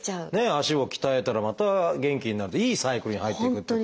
足も鍛えたらまた元気になるといいサイクルに入っていくというか。